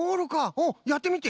おおやってみて！